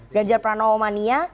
ganjar pranowo mania